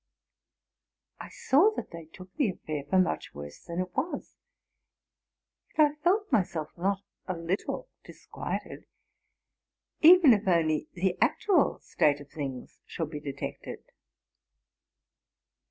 '' I saw that they took the affair for much worse than i was; yet I felt myself not a little disquieted, even if only the actual state of things should be detected.